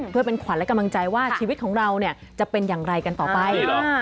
เพื่อเป็นขวัญและกำลังใจว่าชีวิตของเราเนี่ยจะเป็นอย่างไรกันต่อไป